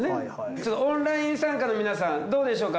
ちょっとオンライン参加の皆さんどうでしょうか？